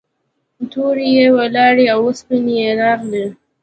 تورې یې ولاړې او سپینې یې راغلې.